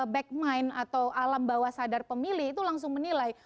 back mind atau alam bawah sadar pemilih itu langsung menilai